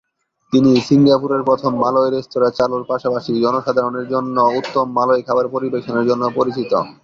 তিনি সিঙ্গাপুরের প্রথম মালয় রেস্তোরাঁ চালুর, পাশাপাশি জনসাধারণের জন্য উত্তম মালয় খাবার পরিবেশনের জন্য পরিচিত।